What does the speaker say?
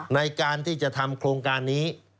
ในการที่จะทำโครงการนี้